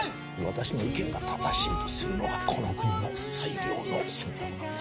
私の意見が正しいとするのがこの国の最良の選択なんです